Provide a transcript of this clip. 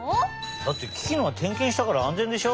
だってキキのはてんけんしたから安全でしょ？